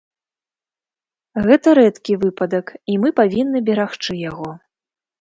Гэта рэдкі выпадак і мы павінны берагчы яго.